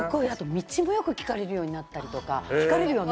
道もよく聞かれるようになったりとか聞かれるよね。